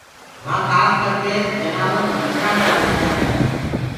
وهآن کآس ڪرڪي جنآور مڇرآن ڪري مر جآندآهين